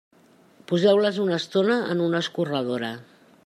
Poseu-les una estona en una escorredora.